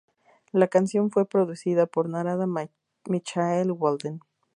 La canción fue producida por Narada Michael Walden.